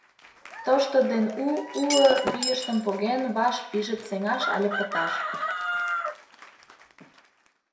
Тошто ден у, уло вийыштым поген, ваш пижыт: сеҥаш але пыташ!